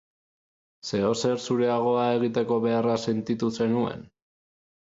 Zeozer zureagoa egiteko beharra sentitu zenuen?